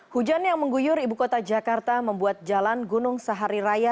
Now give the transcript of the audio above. hujan yang mengguyur ibu kota jakarta membuat jalan gunung sahari raya